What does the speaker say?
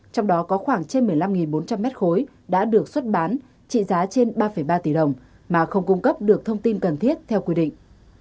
trong đó có khoảng trên một mươi năm bốn trăm linh mét khối đã được xuất bán trị giá trên ba ba tỷ đồng mà không cung cấp được thông tin cần thiết theo quy định